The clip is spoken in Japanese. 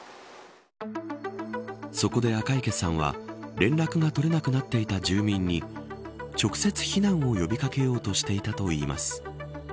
そこで赤池さんは連絡が取れなくなっていた住民に直接、避難を呼び掛けようとしていたといいます。